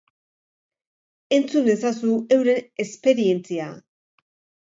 Entzun ezazu euren esperientzia!